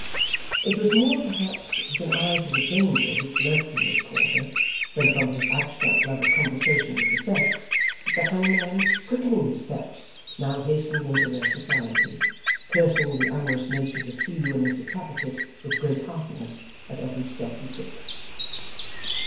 It was more, perhaps, with an eye to the danger which lurked in this quarter, than from his abstract love of conversation with the sex, that the hangman, quickening his steps, now hastened into their society, cursing the amorous natures of Hugh and Mr Tappertit with great heartiness, at every step he took.